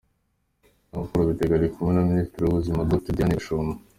Jean Paul Bitega ari kumwe na Minisitiri w’Ubuzima, Dr Diane Gashumba.